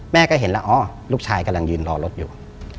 แม่ก็เห็นแล้วอ๋อลูกชายกำลังยืนรอรถอยู่